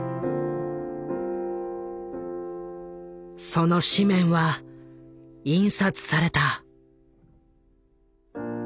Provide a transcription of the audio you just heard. その紙面は印刷された。